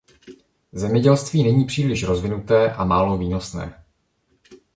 Zemědělství není příliš rozvinuté a málo výnosné.